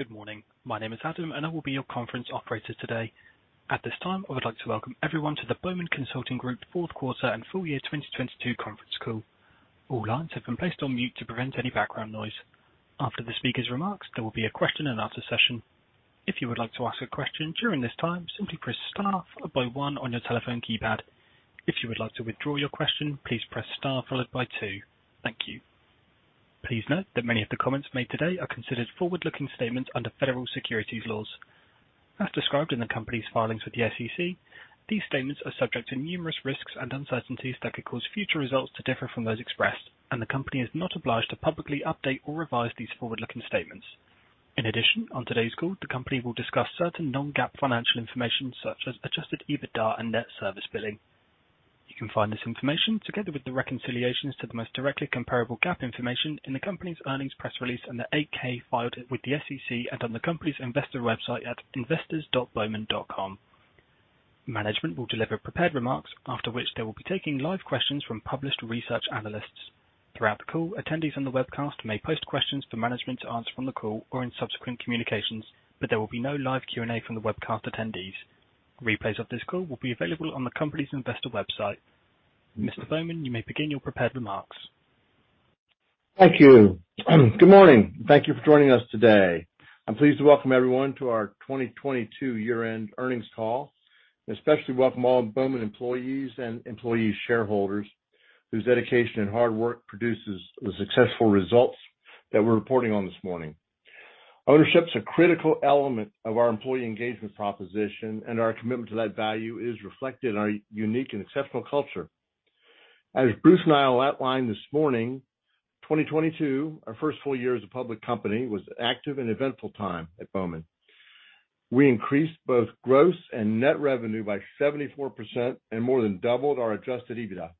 Good morning. My name is Adam, and I will be your conference operator today. At this time, I would like to welcome everyone to the Bowman Consulting Group Fourth Quarter and Full Year 2022 conference call. All lines have been placed on mute to prevent any background noise. After the speaker's remarks, there will be a question and answer session. If you would like to ask a question during this time, simply press star followed by one on your telephone keypad. If you would like to withdraw your question, please press star followed by two. Thank you. Please note that many of the comments made today are considered forward-looking statements under federal securities laws. As described in the company's filings with the SEC, these statements are subject to numerous risks and uncertainties that could cause future results to differ from those expressed, and the company is not obliged to publicly update or revise these forward-looking statements. In addition, on today's call, the company will discuss certain non-GAAP financial information, such as adjusted EBITDA and net service billing. You can find this information, together with the reconciliations to the most directly comparable GAAP information, in the company's earnings press release and the 8-K filed with the SEC and on the company's investor website at investors.bowman.com. Management will deliver prepared remarks, after which they will be taking live questions from published research analysts. Throughout the call, attendees on the webcast may post questions for management to answer on the call or in subsequent communications, but there will be no live Q&A from the webcast attendees. Replays of this call will be available on the company's investor website. Mr. Bowman, you may begin your prepared remarks. Thank you. Good morning. Thank you for joining us today. I'm pleased to welcome everyone to our 2022 year-end earnings call. Especially welcome all Bowman employees and employee shareholders whose dedication and hard work produces the successful results that we're reporting on this morning. Ownership's a critical element of our employee engagement proposition, and our commitment to that value is reflected in our unique and exceptional culture. As Bruce and I outlined this morning, 2022, our first full year as a public company, was an active and eventful time at Bowman. We increased both gross and net revenue by 74% and more than doubled our adjusted EBITDA.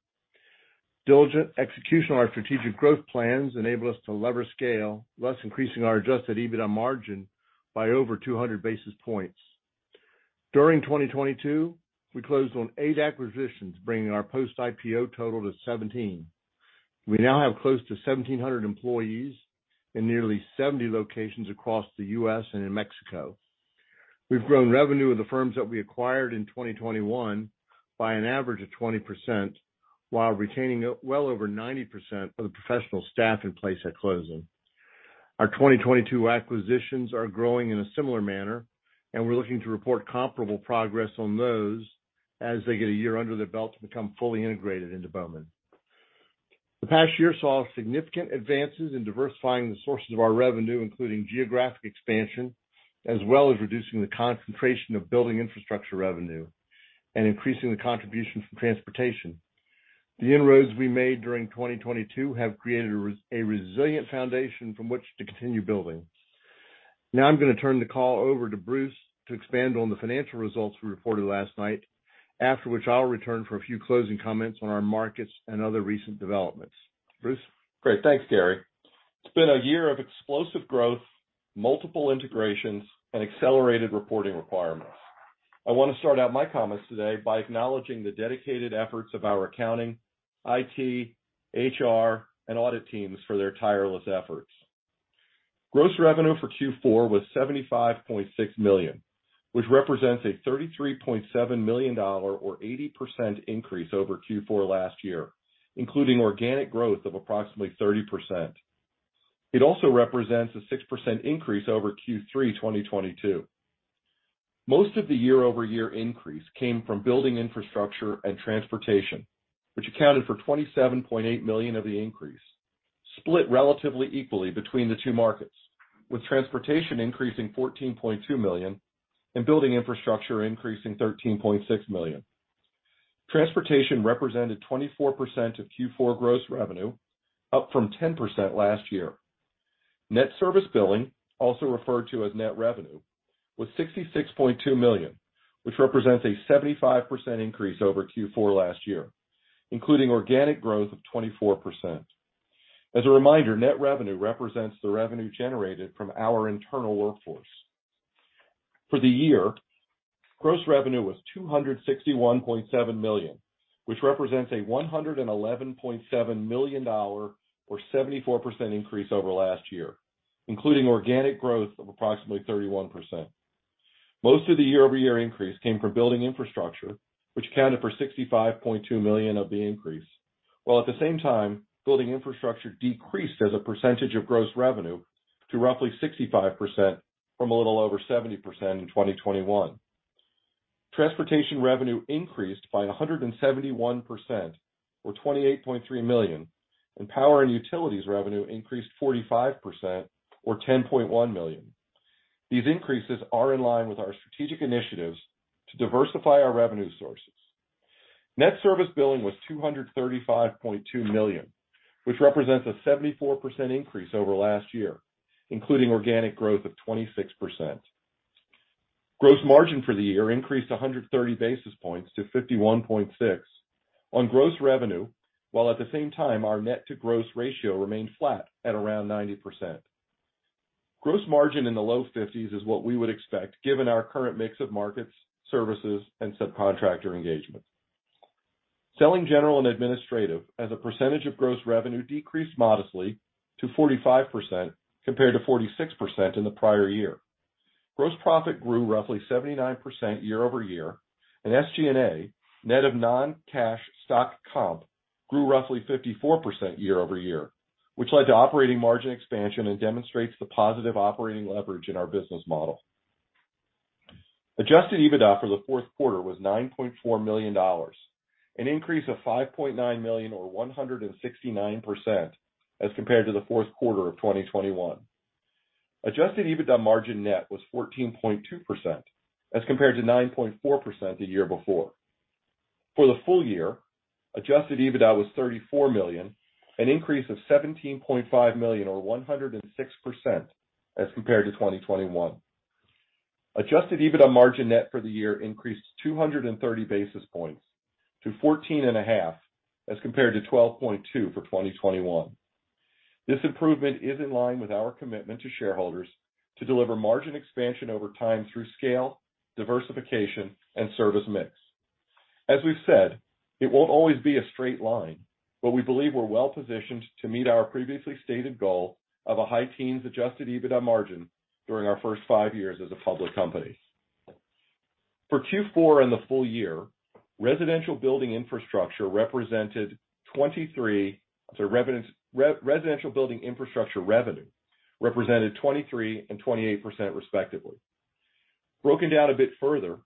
Diligent execution of our strategic growth plans enabled us to lever scale, thus increasing our adjusted EBITDA margin by over 200 basis points. During 2022, we closed on eight acquisitions, bringing our post-IPO total to 17. We now have close to 1,700 employees in nearly 70 locations across the U.S. and in Mexico. We've grown revenue of the firms that we acquired in 2021 by an average of 20% while retaining well over 90% of the professional staff in place at closing. Our 2022 acquisitions are growing in a similar manner, and we're looking to report comparable progress on those as they get a year under their belt to become fully integrated into Bowman. The past year saw significant advances in diversifying the sources of our revenue, including geographic expansion, as well as reducing the concentration of building infrastructure revenue and increasing the contribution from transportation. The inroads we made during 2022 have created a resilient foundation from which to continue building. Now I'm gonna turn the call over to Bruce to expand on the financial results we reported last night. After which, I'll return for a few closing comments on our markets and other recent developments. Bruce? Great. Thanks, Gary. It's been a year of explosive growth, multiple integrations, and accelerated reporting requirements. I wanna start out my comments today by acknowledging the dedicated efforts of our accounting, IT, HR, and audit teams for their tireless efforts. Gross revenue for Q4 was $75.6 million, which represents a $33.7 million or 80% increase over Q4 last year, including organic growth of approximately 30%. It also represents a 6% increase over Q3 2022. Most of the year-over-year increase came from building infrastructure and transportation, which accounted for $27.8 million of the increase, split relatively equally between the two markets, with transportation increasing $14.2 million and building infrastructure increasing $13.6 million. Transportation represented 24% of Q4 gross revenue, up from 10% last year. Net service billing, also referred to as net revenue, was $66.2 million, which represents a 75% increase over Q4 last year, including organic growth of 24%. As a reminder, net revenue represents the revenue generated from our internal workforce. For the year, gross revenue was $261.7 million, which represents a $111.7 million or 74% increase over last year, including organic growth of approximately 31%. Most of the year-over-year increase came from building infrastructure, which accounted for $65.2 million of the increase, while at the same time, building infrastructure decreased as a percentage of gross revenue to roughly 65% from a little over 70% in 2021. Transportation revenue increased by 171% or $28.3 million, and power and utilities revenue increased 45% or $10.1 million. These increases are in line with our strategic initiatives to diversify our revenue sources. Net service billing was $235.2 million, which represents a 74% increase over last year, including organic growth of 26%. Gross margin for the year increased 130 basis points to 51.6% on gross revenue, while at the same time, our net to gross ratio remained flat at around 90%. Gross margin in the low fifties is what we would expect given our current mix of markets, services, and subcontractor engagements. Selling general and administrative as a percentage of gross revenue decreased modestly to 45% compared to 46% in the prior year. Gross profit grew roughly 79% year-over-year. SG&A, net of non-cash stock comp, grew roughly 54% year-over-year, which led to operating margin expansion and demonstrates the positive operating leverage in our business model. Adjusted EBITDA for the fourth quarter was $9.4 million, an increase of $5.9 million or 169% as compared to the fourth quarter of 2021. Adjusted EBITDA margin net was 14.2% as compared to 9.4% the year before. For the full year, adjusted EBITDA was $34 million, an increase of $17.5 million or 106% as compared to 2021. Adjusted EBITDA margin net for the year increased 230 basis points to 14.5%, as compared to 12.2% for 2021. This improvement is in line with our commitment to shareholders to deliver margin expansion over time through scale, diversification, and service mix. As we've said, it won't always be a straight line, but we believe we're well-positioned to meet our previously stated goal of a high teens adjusted EBITDA margin during our first five years as a public company. For Q4 and the full year, residential building infrastructure revenue represented 23% and 28% respectively. Broken down a bit further,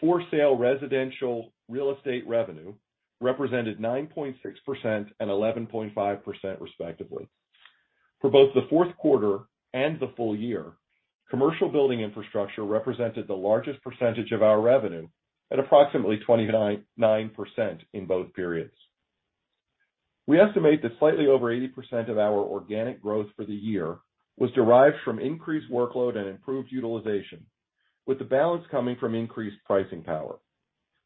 for-sale residential real estate revenue represented 9.6% and 11.5% respectively. For both the fourth quarter and the full year, commercial building infrastructure represented the largest percentage of our revenue at approximately 29% in both periods. We estimate that slightly over 80% of our organic growth for the year was derived from increased workload and improved utilization, with the balance coming from increased pricing power.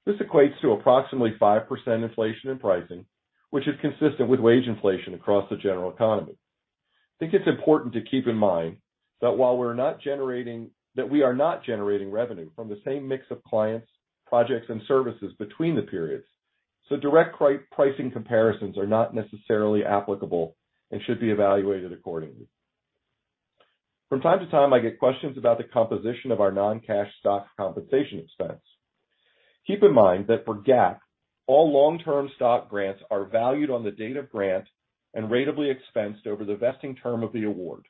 This equates to approximately 5% inflation in pricing, which is consistent with wage inflation across the general economy. I think it's important to keep in mind that while we are not generating revenue from the same mix of clients, projects, and services between the periods, direct pricing comparisons are not necessarily applicable and should be evaluated accordingly. From time to time, I get questions about the composition of our non-cash stock compensation expense. Keep in mind that for GAAP, all long-term stock grants are valued on the date of grant and ratably expensed over the vesting term of the award.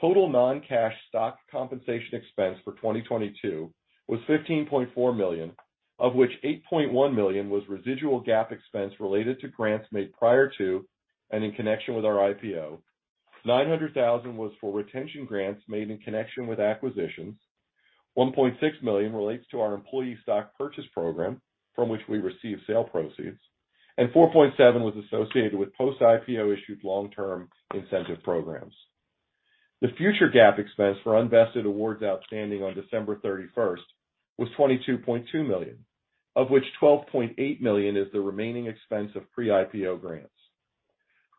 Total non-cash stock compensation expense for 2022 was $15.4 million, of which $8.1 million was residual GAAP expense related to grants made prior to and in connection with our IPO. $900,000 was for retention grants made in connection with acquisitions. $1.6 million relates to our employee stock purchase program from which we receive sale proceeds. Four point seven was associated with post-IPO issued long-term incentive programs. The future GAAP expense for unvested awards outstanding on December 31st was $22.2 million, of which $12.8 million is the remaining expense of pre-IPO grants.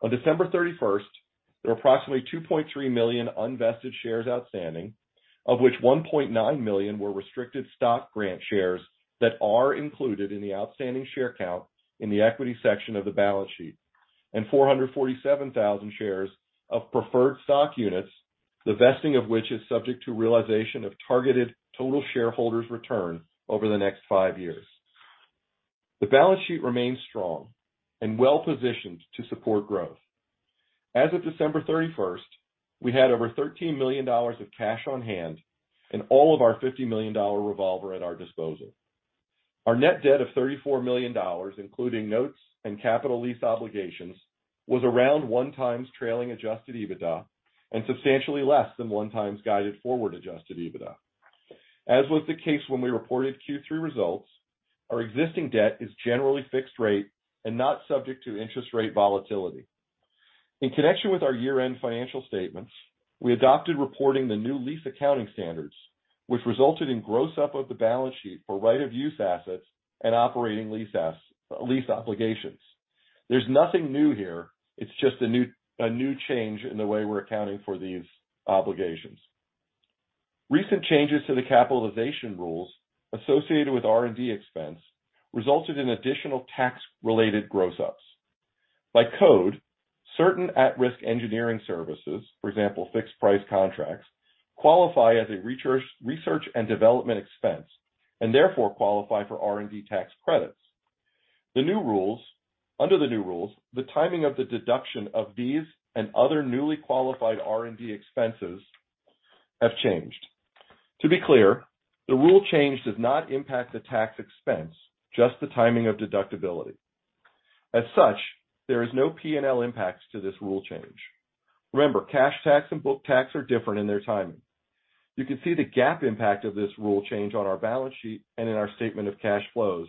On December 31st, there were approximately 2.3 million unvested shares outstanding, of which 1.9 million were restricted stock grant shares that are included in the outstanding share count in the equity section of the balance sheet, and 447,000 shares of performance stock units, the vesting of which is subject to realization of targeted total shareholders' return over the next five years. The balance sheet remains strong and well-positioned to support growth. As of December 31st, we had over $13 million of cash on hand and all of our $50 million revolver at our disposal. Our net debt of $34 million, including notes and capital lease obligations, was around 1x trailing adjusted EBITDA and substantially less than 1x guided forward adjusted EBITDA. As was the case when we reported Q3 results, our existing debt is generally fixed rate and not subject to interest rate volatility. In connection with our year-end financial statements, we adopted reporting the new lease accounting standards, which resulted in gross up of the balance sheet for right-of-use assets and operating lease obligations. There's nothing new here. It's just a new change in the way we're accounting for these obligations. Recent changes to the capitalization rules associated with R&D expense resulted in additional tax-related gross ups. By code, certain at-risk engineering services, for example, fixed price contracts, qualify as a research and development expense, and therefore qualify for R&D tax credits. Under the new rules, the timing of the deduction of these and other newly qualified R&D expenses have changed. To be clear, the rule change does not impact the tax expense, just the timing of deductibility. As such, there is no P&L impacts to this rule change. Remember, cash tax and book tax are different in their timing. You can see the GAAP impact of this rule change on our balance sheet and in our statement of cash flows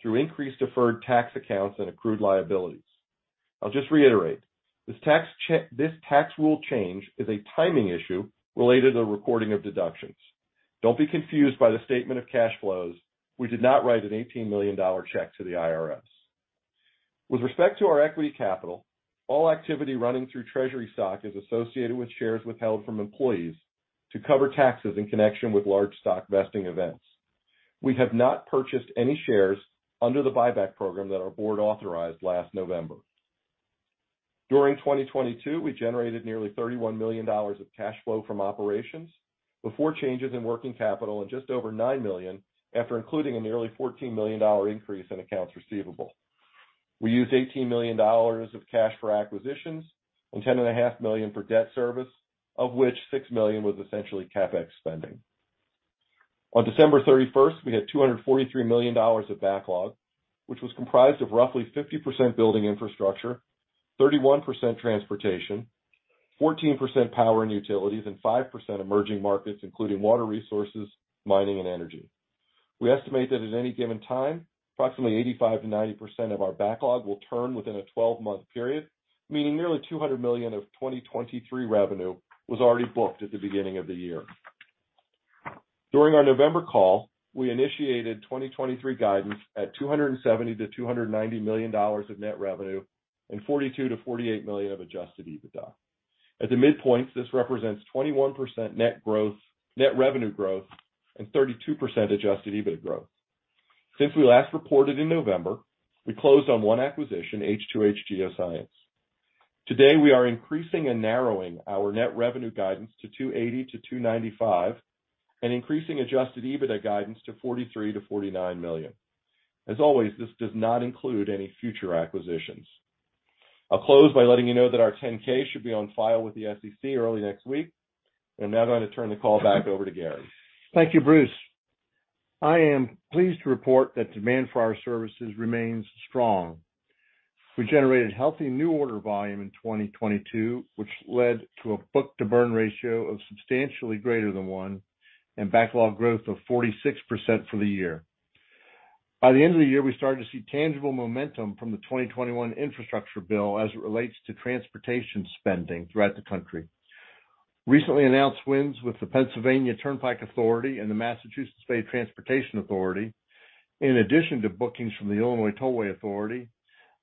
through increased deferred tax accounts and accrued liabilities. I'll just reiterate, this tax rule change is a timing issue related to the recording of deductions. Don't be confused by the statement of cash flows. We did not write an $18 million check to the IRS. With respect to our equity capital, all activity running through treasury stock is associated with shares withheld from employees to cover taxes in connection with large stock vesting events. We have not purchased any shares under the buyback program that our board authorized last November. During 2022, we generated nearly $31 million of cash flow from operations before changes in working capital and just over $9 million after including a nearly $14 million increase in accounts receivable. We used $18 million of cash for acquisitions and $10.5 million for debt service, of which $6 million was essentially CapEx spending. On December 31st, we had $243 million of backlog, which was comprised of roughly 50% building infrastructure, 31% transportation, 14% power and utilities, and 5% emerging markets, including water resources, mining and energy. We estimate that at any given time, approximately 85%-90% of our backlog will turn within a 12-month period, meaning nearly $200 million of 2023 revenue was already booked at the beginning of the year. During our November call, we initiated 2023 guidance at $270 million-$290 million of net revenue and $42 million-$48 million of adjusted EBITDA. At the midpoint, this represents 21% net revenue growth and 32% adjusted EBITDA growth. Since we last reported in November, we closed on one acquisition, H2H Geoscience. Today, we are increasing and narrowing our net revenue guidance to $280 million-$295 million and increasing adjusted EBITDA guidance to $43 million-$49 million. As always, this does not include any future acquisitions. I'll close by letting you know that our 10-K should be on file with the SEC early next week. I'm now going to turn the call back over to Gary. Thank you, Bruce. I am pleased to report that demand for our services remains strong. We generated healthy new order volume in 2022, which led to a book-to-burn ratio of substantially greater than one and backlog growth of 46% for the year. By the end of the year, we started to see tangible momentum from the 2021 infrastructure bill as it relates to transportation spending throughout the country. Recently announced wins with the Pennsylvania Turnpike Commission and the Massachusetts Bay Transportation Authority, in addition to bookings from the Illinois Tollway Authority,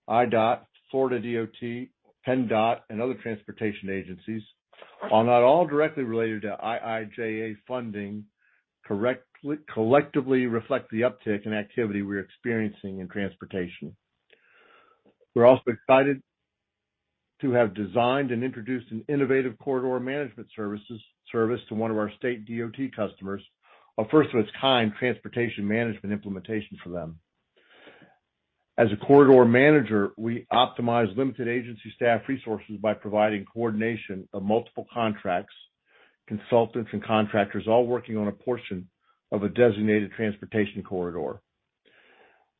IDOT, FDOT, PennDOT, and other transportation agencies, while not all directly related to IIJA funding, collectively reflect the uptick in activity we're experiencing in transportation. We're also excited to have designed and introduced an innovative corridor management services, service to one of our state DOT customers, a first of its kind transportation management implementation for them. As a corridor manager, we optimize limited agency staff resources by providing coordination of multiple contracts, consultants and contractors all working on a portion of a designated transportation corridor.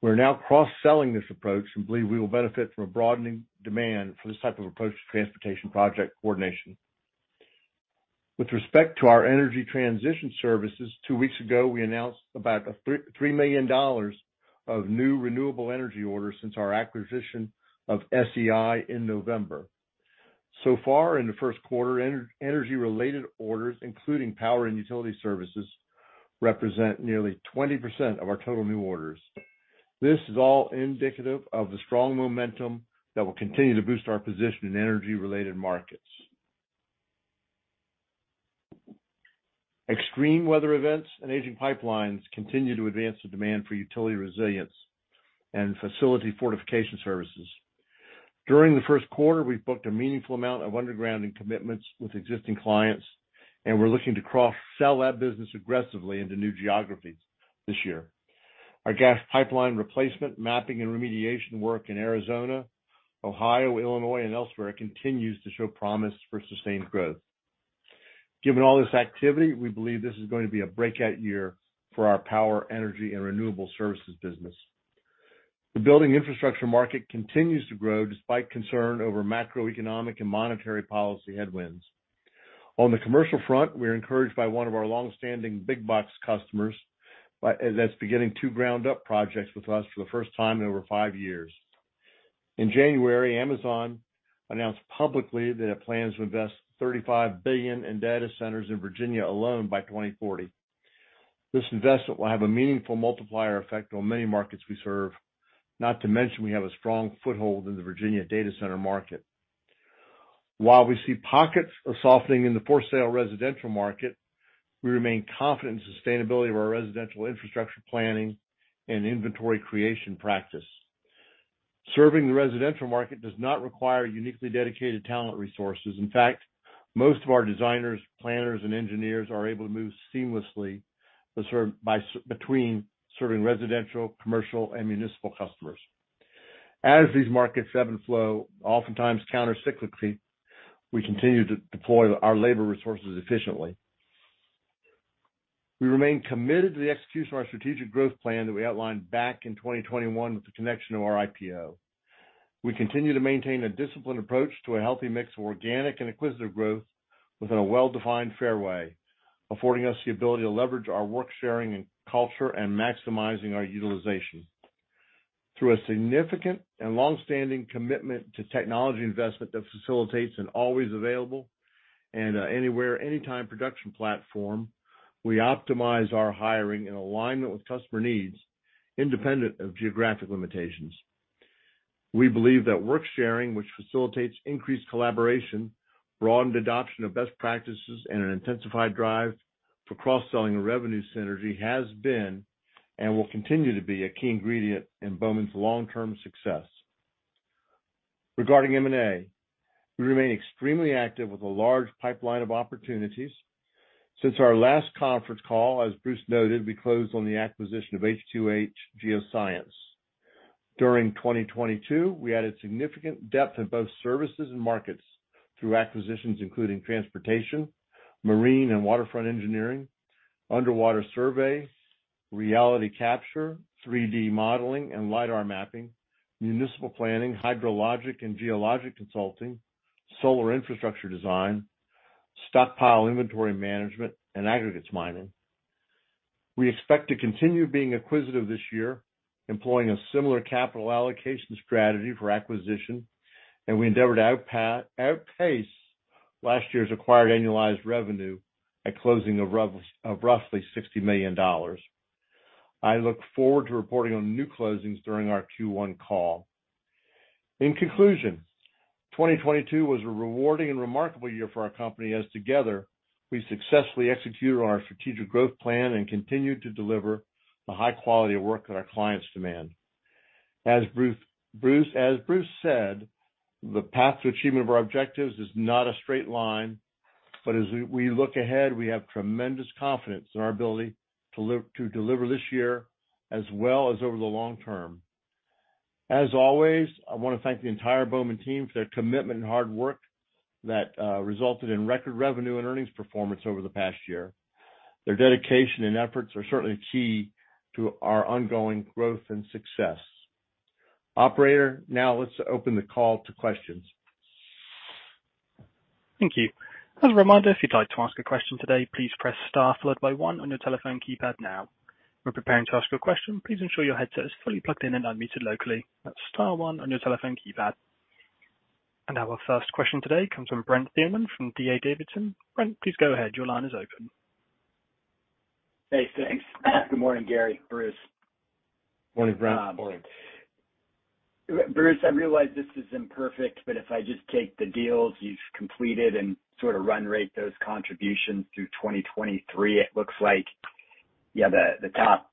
We're now cross-selling this approach and believe we will benefit from a broadening demand for this type of approach to transportation project coordination. With respect to our energy transition services, two weeks ago, we announced about $3 million of new renewable energy orders since our acquisition of SEI in November. So far in the first quarter, energy-related orders, including power and utility services, represent nearly 20% of our total new orders. This is all indicative of the strong momentum that will continue to boost our position in energy-related markets. Extreme weather events and aging pipelines continue to advance the demand for utility resilience and facility fortification services. During the first quarter, we've booked a meaningful amount of underground and commitments with existing clients, and we're looking to cross-sell that business aggressively into new geographies this year. Our gas pipeline replacement, mapping and remediation work in Arizona, Ohio, Illinois, and elsewhere continues to show promise for sustained growth. Given all this activity, we believe this is going to be a breakout year for our power, energy, and renewable services business. The building infrastructure market continues to grow despite concern over macroeconomic and monetary policy headwinds. On the commercial front, we're encouraged by one of our long-standing big box customers that's beginning two ground-up projects with us for the first time in over five years. In January, Amazon announced publicly that it plans to invest $35 billion in data centers in Virginia alone by 2040. This investment will have a meaningful multiplier effect on many markets we serve, not to mention we have a strong foothold in the Virginia data center market. While we see pockets of softening in the for-sale residential market, we remain confident in sustainability of our residential infrastructure planning and inventory creation practice. Serving the residential market does not require uniquely dedicated talent resources. In fact, most of our designers, planners, and engineers are able to move seamlessly to serve between serving residential, commercial, and municipal customers. As these markets ebb and flow, oftentimes countercyclically, we continue to deploy our labor resources efficiently. We remain committed to the execution of our strategic growth plan that we outlined back in 2021 with the connection to our IPO. We continue to maintain a disciplined approach to a healthy mix of organic and acquisitive growth within a well-defined fairway, affording us the ability to leverage our work sharing and culture and maximizing our utilization. Through a significant and long-standing commitment to technology investment that facilitates an always available and anywhere, anytime production platform, we optimize our hiring in alignment with customer needs, independent of geographic limitations. We believe that work sharing, which facilitates increased collaboration, broadened adoption of best practices, and an intensified drive for cross-selling revenue synergy has been and will continue to be a key ingredient in Bowman's long-term success. Regarding M&A, we remain extremely active with a large pipeline of opportunities. Since our last conference call, as Bruce noted, we closed on the acquisition of H2H Geoscience. During 2022, we added significant depth in both services and markets through acquisitions, including transportation, marine and waterfront engineering, underwater surveys, reality capture, 3D modeling and LiDAR mapping, municipal planning, hydrologic and geologic consulting, solar infrastructure design, stockpile inventory management, and aggregates mining. We expect to continue being acquisitive this year, employing a similar capital allocation strategy for acquisition, and we endeavor to outpace last year's acquired annualized revenue at closing of roughly $60 million. I look forward to reporting on new closings during our Q1 call. In conclusion, 2022 was a rewarding and remarkable year for our company, as together, we successfully executed on our strategic growth plan and continued to deliver the high quality of work that our clients demand. As Bruce said, the path to achievement of our objectives is not a straight line. As we look ahead, we have tremendous confidence in our ability to deliver this year, as well as over the long term. As always, I wanna thank the entire Bowman team for their commitment and hard work that resulted in record revenue and earnings performance over the past year. Their dedication and efforts are certainly key to our ongoing growth and success. Operator, now let's open the call to questions. Thank you. As a reminder, if you'd like to ask a question today, please press star followed by one on your telephone keypad now. When preparing to ask your question, please ensure your headset is fully plugged in and unmuted locally. That's star one on your telephone keypad. Our first question today comes from Brent Thielman from D.A. Davidson. Brent, please go ahead. Your line is open. Hey, thanks. Good morning, Gary, Bruce. Morning, Brent. Morning. Bruce, I realize this isn't perfect. If I just take the deals you've completed and sort of run rate those contributions through 2023, it looks like, yeah, the top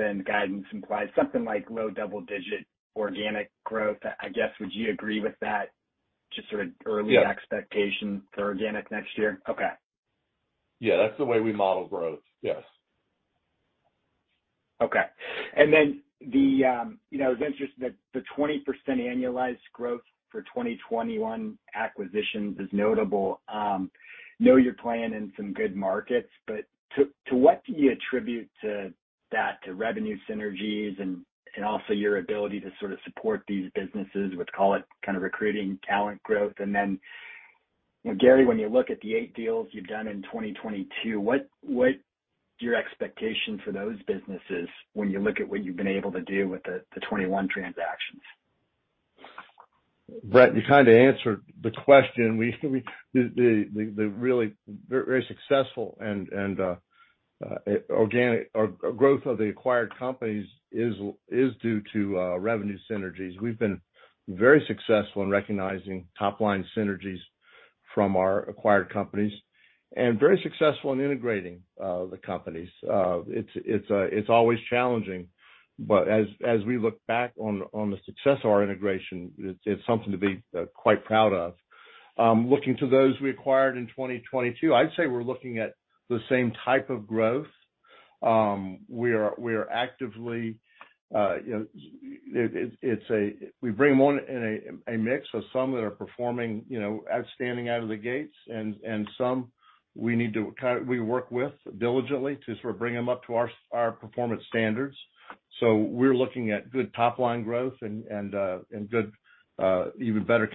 end guidance implies something like low double-digit organic growth. I guess, would you agree with that? Yeah expectation for organic next year? Okay. Yeah, that's the way we model growth, yes. Okay. The, you know, I was interested that the 20% annualized growth for 2021 acquisitions is notable. You know you're playing in some good markets, but to what do you attribute to that, to revenue synergies and also your ability to sort of support these businesses, would call it kind of recruiting talent growth? You know, Gary, when you look at the eight deals you've done in 2022, what are your expectations for those businesses when you look at what you've been able to do with the 21 transactions? Brent, you kinda answered the question. We, the really very successful and organic or growth of the acquired companies is due to revenue synergies. We've been very successful in recognizing top-line synergies from our acquired companies, and very successful in integrating the companies. It's always challenging, but as we look back on the success of our integration, it's something to be quite proud of. Looking to those we acquired in 2022, I'd say we're looking at the same type of growth. We are actively, you know... It's a. We bring them on in a mix of some that are performing, you know, outstanding out of the gates, and some we work with diligently to sort of bring them up to our performance standards. We're looking at good top-line growth and good, even better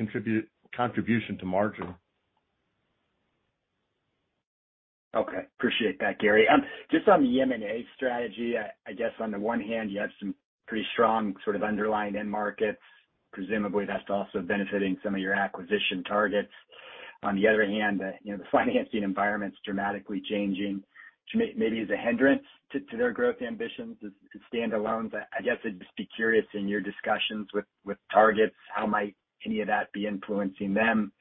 contribution to margin. Okay. Appreciate that, Gary. Just on the M&A strategy, I guess on the one hand, you have some pretty strong sort of underlying end markets. Presumably, that's also benefiting some of your acquisition targets. On the other hand, you know, the financing environment's dramatically changing. maybe as a hindrance to their growth ambitions as standalones, I guess I'd just be curious in your discussions with targets, how might any of that be influencing them?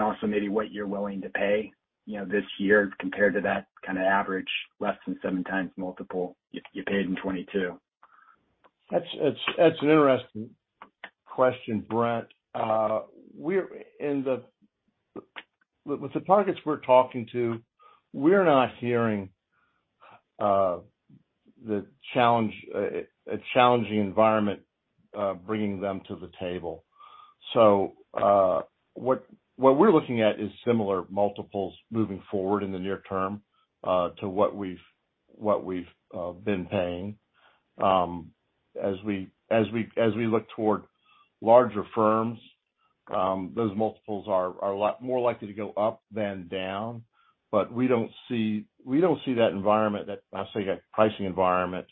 Also maybe what you're willing to pay, you know, this year compared to that kinda average less than 7x multiple you paid in 2022. That's an interesting question, Brent. With the targets we're talking to, we're not hearing the challenge, a challenging environment, bringing them to the table. What we're looking at is similar multiples moving forward in the near term to what we've been paying. As we look toward larger firms, those multiples are more likely to go up than down. We don't see that pricing environment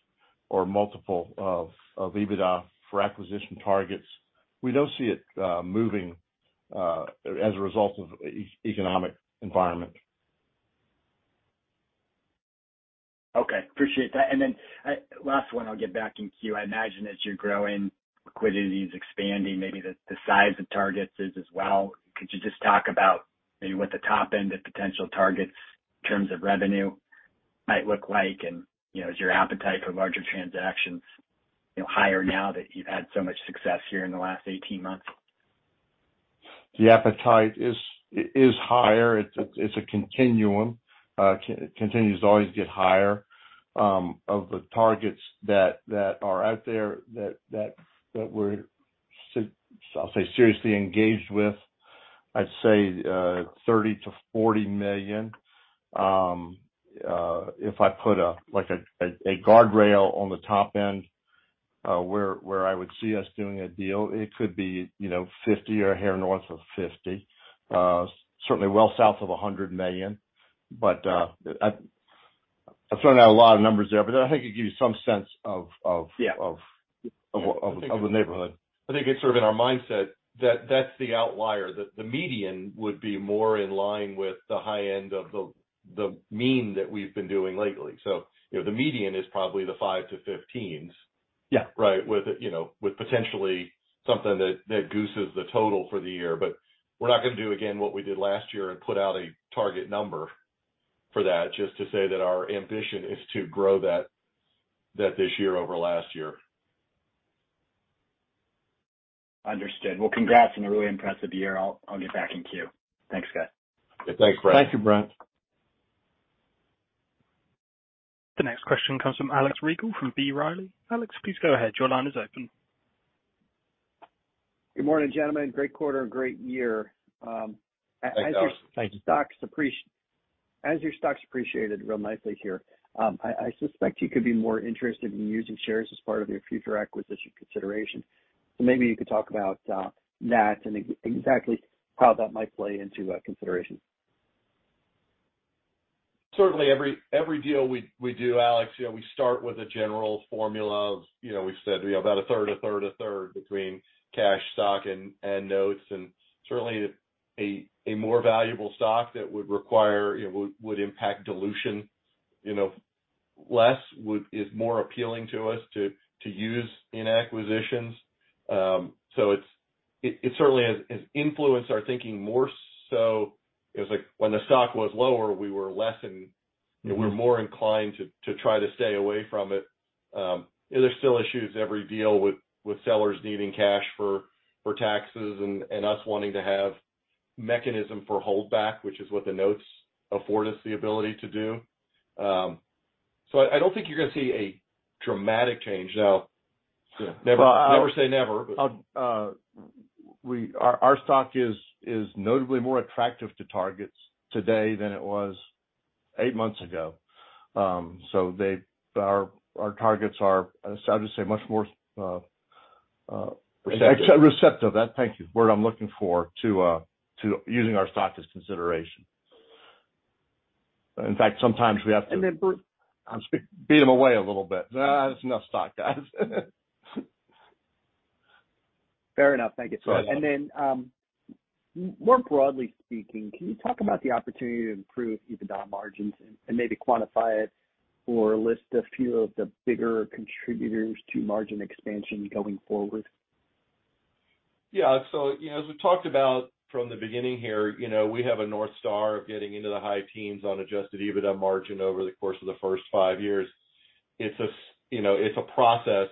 or multiple of EBITDA for acquisition targets, we don't see it moving as a result of economic environment. Okay. Appreciate that. Then, last one, I'll get back in queue. I imagine as you're growing, liquidity is expanding, maybe the size of targets is as well. Could you just talk about maybe what the top end of potential targets in terms of revenue might look like? You know, is your appetite for larger transactions, you know, higher now that you've had so much success here in the last 18 months? The appetite is higher. It's a continuum. It continues to always get higher. Of the targets that are out there that we're seriously engaged with, I'd say, $30 million-$40 million. If I put a guardrail on the top end, where I would see us doing a deal, it could be, you know, $50 or a hair north of $50. Certainly well south of $100 million. I'm throwing out a lot of numbers there, but I think it gives you some sense of. Yeah... of a neighborhood. I think it's sort of in our mindset that that's the outlier. The median would be more in line with the high end of the mean that we've been doing lately. You know, the median is probably the five-15. Yeah. Right? With, you know, with potentially something that gooses the total for the year. We're not gonna do again what we did last year and put out a target number for that, just to say that our ambition is to grow that this year over last year. Understood. Congrats on a really impressive year. I'll get back in queue. Thanks, guys. Yeah, thanks, Brent. Thank you, Brent. The next question comes from Alex Rygiel from B. Riley. Alex, please go ahead. Your line is open. Good morning, gentlemen. Great quarter and great year. Thanks, Alex. Thank you. As your stock's appreciated real nicely here, I suspect you could be more interested in using shares as part of your future acquisition consideration. Maybe you could talk about that and exactly how that might play into consideration? Certainly, every deal we do, Alex, you know, we start with a general formula of, you know, we've said we have about a third, a third, a third between cash, stock, and notes. Certainly a more valuable stock that would require, you know, would impact dilution, you know, less is more appealing to us to use in acquisitions. So it certainly has influenced our thinking more so. It was like when the stock was lower, we were less and, you know, we were more inclined to try to stay away from it. There's still issues every deal with sellers needing cash for taxes and us wanting to have mechanism for holdback, which is what the notes afford us the ability to do. I don't think you're gonna see a dramatic change. Yeah. Never say never, but- Our stock is notably more attractive to targets today than it was eight months ago. Our targets are, I would say, much more. Receptive... ex-receptive. Thank you. The word I'm looking for to using our stock as consideration. In fact, sometimes. Bruce. I'm beat them away a little bit. "Nah, that's enough stock, guys. Fair enough. Thank you, sir. You're welcome. Then, more broadly speaking, can you talk about the opportunity to improve EBITDA margins and maybe quantify it or list a few of the bigger contributors to margin expansion going forward? Yeah. You know, as we talked about from the beginning here, you know, we have a North Star of getting into the high teens on adjusted EBITDA margin over the course of the first five years. It's you know, it's a process.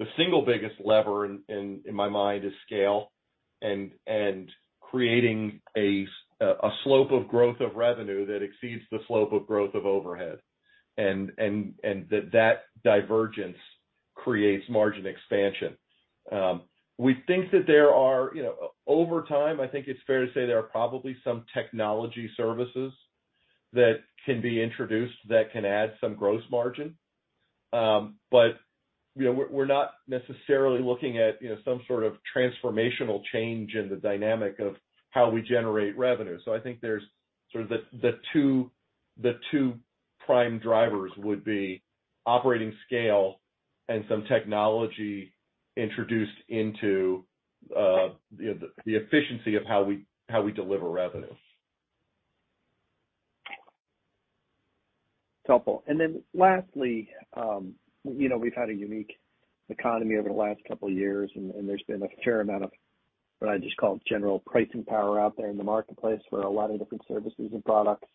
The single biggest lever in my mind is scale and creating a slope of growth of revenue that exceeds the slope of growth of overhead. That divergence creates margin expansion. We think that there are, you know, over time, I think it's fair to say there are probably some technology services that can be introduced that can add some gross margin. You know, we're not necessarily looking at, you know, some sort of transformational change in the dynamic of how we generate revenue. I think there's sort of the two prime drivers would be operating scale and some technology introduced into, you know, the efficiency of how we, how we deliver revenue. Helpful. Lastly, you know, we've had a unique economy over the last couple of years, and there's been a fair amount of what I just call general pricing power out there in the marketplace for a lot of different services and products.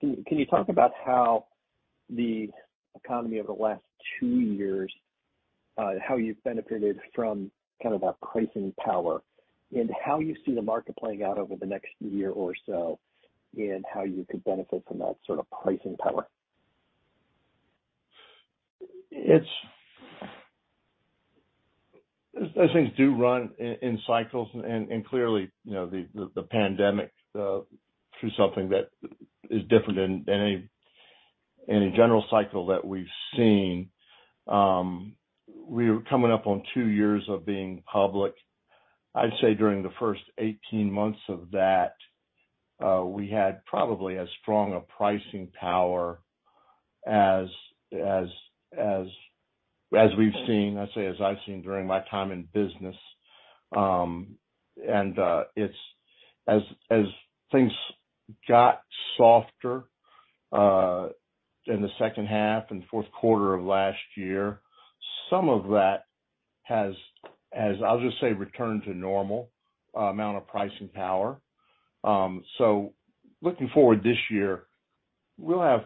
Can you talk about how the economy over the last two years, how you've benefited from kind of that pricing power and how you see the market playing out over the next year or so, and how you could benefit from that sort of pricing power? Those things do run in cycles and clearly, you know, the pandemic threw something that is different than any in a general cycle that we've seen. We're coming up on two years of being public. I'd say during the first 18 months of that, we had probably as strong a pricing power as we've seen, I'd say, as I've seen during my time in business. And as things got softer in the second half and fourth quarter of last year, some of that has, I'll just say, returned to normal amount of pricing power. So looking forward this year, we'll have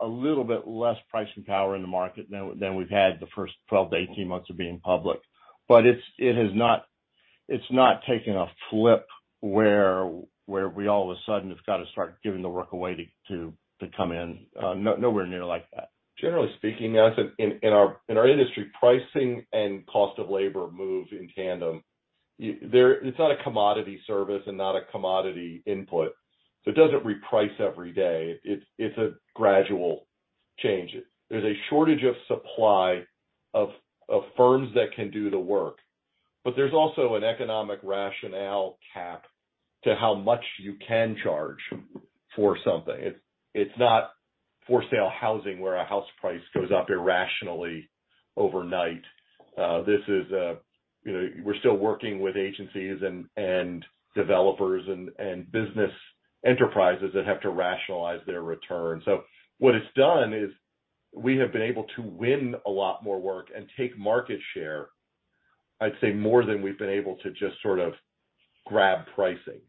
a little bit less pricing power in the market than we've had the first 12 to 18 months of being public. It's not taken a flip where we all of a sudden have got to start giving the work away to come in. Nowhere near like that. Generally speaking, I'd say in our, in our industry, pricing and cost of labor move in tandem. It's not a commodity service and not a commodity input, so it doesn't reprice every day. It's a gradual change. There's a shortage of supply of firms that can do the work. There's also an economic rationale cap to how much you can charge for something. It's not for-sale housing, where a house price goes up irrationally overnight. This is, you know, we're still working with agencies and developers and business enterprises that have to rationalize their return. What it's done is we have been able to win a lot more work and take market share, I'd say, more than we've been able to just sort of grab pricing.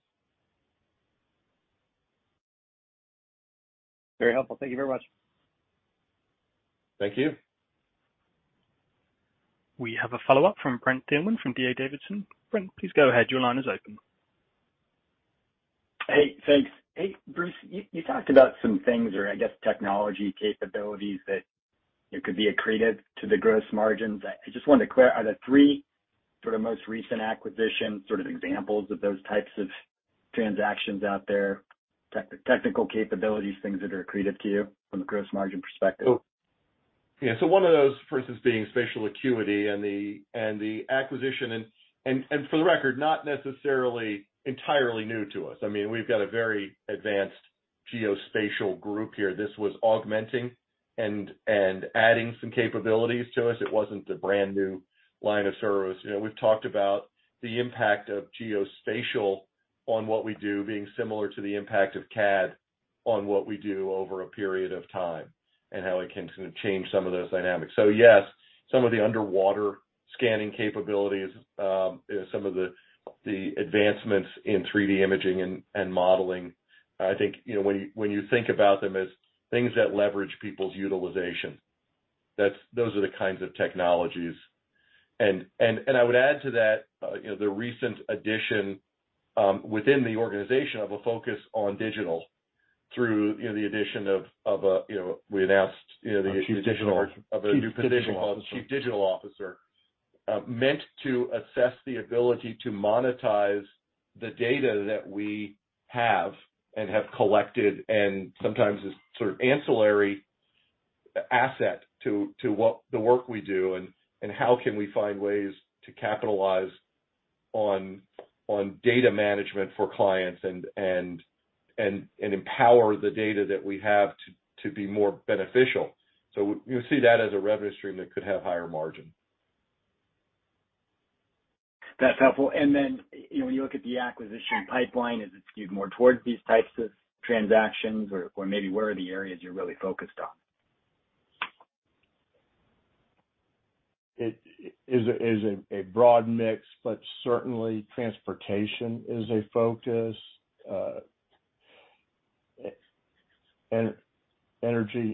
Very helpful. Thank you very much. Thank you. We have a follow-up from Brent Thielman from D.A. Davidson. Brent, please go ahead. Your line is open. Hey, thanks. Hey, Bruce, you talked about some things or I guess technology capabilities that, you know, could be accretive to the gross margins. Are the three sort of most recent acquisitions sort of examples of those types of transactions out there, technical capabilities, things that are accretive to you from a gross margin perspective? One of those, for instance, being Spatial Acuity and the acquisition and for the record, not necessarily entirely new to us. I mean, we've got a very advanced geospatial group here. This was augmenting and adding some capabilities to us. It wasn't a brand-new line of service. You know, we've talked about the impact of geospatial on what we do being similar to the impact of CAD on what we do over a period of time and how it can sort of change some of those dynamics. Yes, some of the underwater scanning capabilities, some of the advancements in 3D imaging and modeling. I think, you know, when you, when you think about them as things that leverage people's utilization, those are the kinds of technologies. I would add to that, you know, the recent addition, within the organization of a focus on digital through, we announced, you know, the addition- A chief digital officer of a new position called chief digital officer, meant to assess the ability to monetize the data that we have and have collected and sometimes is sort of ancillary asset to what the work we do and how can we find ways to capitalize on data management for clients and empower the data that we have to be more beneficial. We see that as a revenue stream that could have higher margin. That's helpful. Then, you know, when you look at the acquisition pipeline, is it skewed more towards these types of transactions or maybe where are the areas you're really focused on? It is a broad mix, but certainly transportation is a focus. Energy-related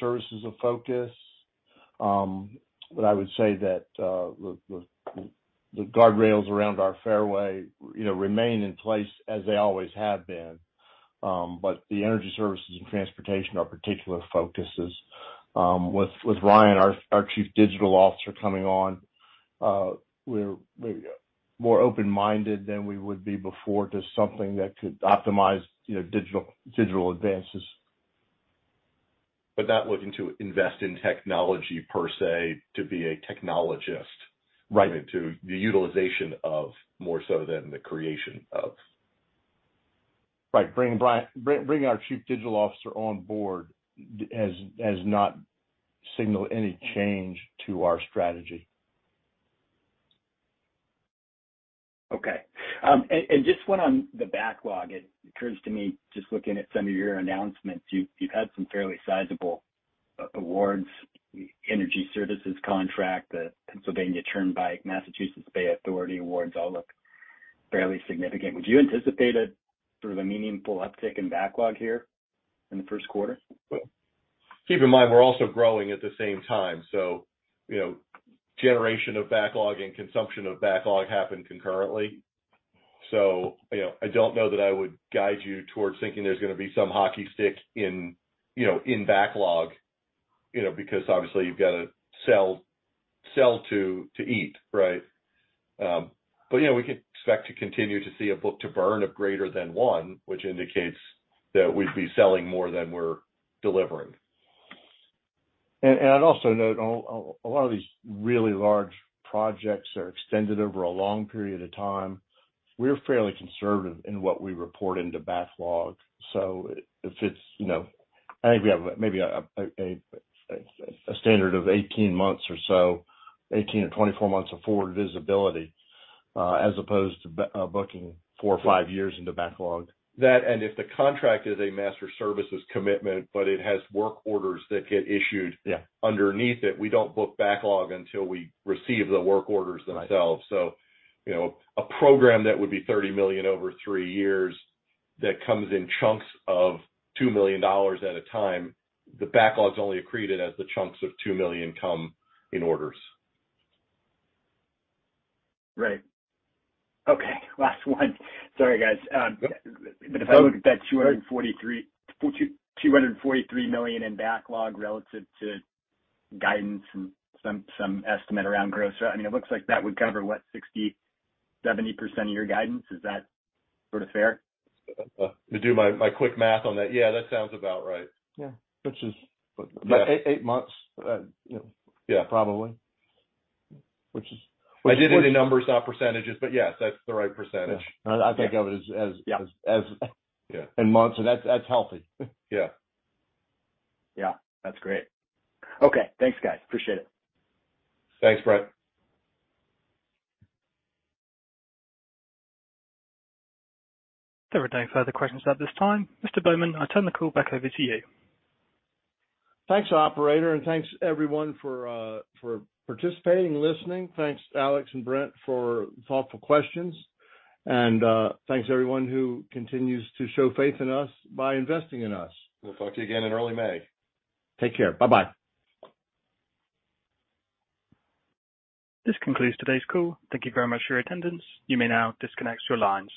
service is a focus. I would say that the guardrails around our fairway, you know, remain in place as they always have been. The energy services and transportation are particular focuses. With Ryan, our Chief Digital Officer coming on, we're maybe more open-minded than we would be before to something that could optimize, you know, digital advances. Not looking to invest in technology per se, to be a technologist. Right. to the utilization of more so than the creation of. Right. Bringing our chief digital officer on board has not signaled any change to our strategy. Okay. Just one on the backlog. It occurs to me, just looking at some of your announcements, you've had some fairly sizable awards, energy services contract, the Pennsylvania Turnpike, Massachusetts Bay Authority awards all look fairly significant. Would you anticipate a sort of a meaningful uptick in backlog here in the first quarter? Keep in mind, we're also growing at the same time. You know, generation of backlog and consumption of backlog happen concurrently. You know, I don't know that I would guide you towards thinking there's gonna be some hockey stick in, you know, in backlog. You know, because obviously you've gotta sell to eat, right? Yeah, we can expect to continue to see a book to burn of greater than one, which indicates that we'd be selling more than we're delivering. I'd also note a lot of these really large projects are extended over a long period of time. We're fairly conservative in what we report into backlog. If it's, you know, I think we have maybe a standard of 18 months or so, 18-24 months of forward visibility, as opposed to booking four or five years into backlog. That, and if the contract is a master services commitment, but it has work orders that get issued- Yeah underneath it, we don't book backlog until we receive the work orders themselves. Right. you know, a program that would be $30 million over three years that comes in chunks of $2 million at a time, the backlog's only accreted as the chunks of $2 million come in orders. Right. Okay, last one. Sorry, guys. If I look at that $243 million in backlog relative to guidance and some estimate around gross, I mean, it looks like that would cover, what? 60%-70% of your guidance. Is that sort of fair? To do my quick math on that, yeah, that sounds about right. Yeah. Which is- Yeah. About eight months, you know. Yeah. Probably. Which is- I did it in the numbers, not percentages, but yes, that's the right percentage. Yeah. I think of it. Yeah as Yeah in months, and that's healthy. Yeah. Yeah. That's great. Okay, thanks, guys. Appreciate it. Thanks, Brent. There are no further questions at this time. Mr. Bowman, I turn the call back over to you. Thanks, operator, and thanks everyone for for participating and listening. Thanks, Alex and Brent, for thoughtful questions. Thanks everyone who continues to show faith in us by investing in us. We'll talk to you again in early May. Take care. Bye bye. This concludes today's call. Thank you very much for your attendance. You may now disconnect your lines.